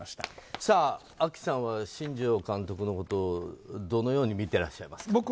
ＡＫＩさんは新庄監督のことどのように見ていらっしゃいますか。